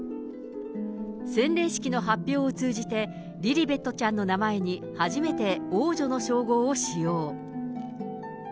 洗礼式の発表を通じて、リリベットちゃんの名前に、初めて王女の称号を使用。